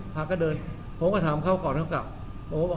พาก็เดินผมก็ถามเขาก่อนเขากลับผมก็บอก